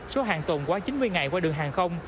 số hàng tồn quá chín mươi ngày qua đường hàng không